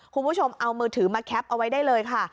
คุณผู้ชมเอามือถือมาแคปเอาไว้ได้เลยค่ะ